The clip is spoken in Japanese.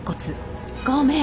ごめん！